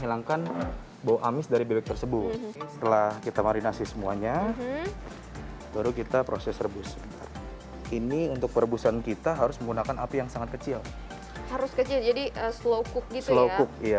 kita masaknya satu jam agar menghilangkan bau amis dari bebek tersebut setelah kita marinasi semuanya baru kita proses rebus ini untuk perebusan kita harus menggunakan api yang sangat kecil harus kecil jadi slow cook gitu ya